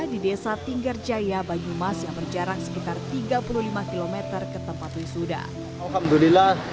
di desa tinggarjaya banyumas yang berjarak sekitar tiga puluh lima km ke tempat wisuda alhamdulillah